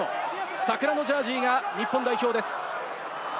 桜のジャージーが日本代表です。